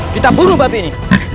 kita bunuh babi ini